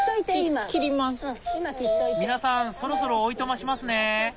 皆さんそろそろおいとましますね。